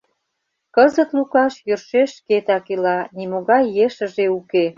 Кызыт Лукаш йӧршеш шкетак ила, нимогай ешыже уке.